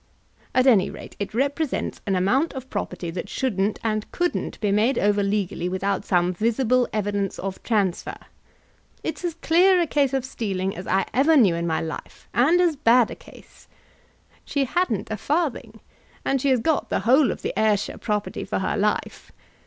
At any rate it represents an amount of property that shouldn't and couldn't be made over legally without some visible evidence of transfer. It's as clear a case of stealing as I ever knew in my life, and as bad a case. She hadn't a farthing, and she has got the whole of the Ayrshire property for her life.